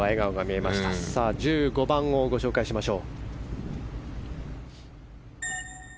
１５番をご紹介しましょう。